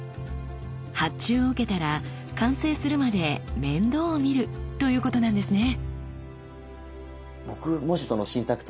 発注を受けたら完成するまで面倒を見るということなんですね。